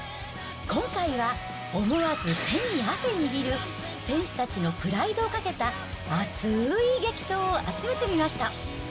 今回は、思わず手に汗握る選手たちのプライドをかけた熱い激闘を集めてみました。